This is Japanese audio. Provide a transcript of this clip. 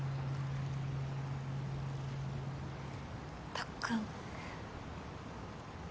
たっくん